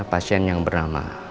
pasien yang bernama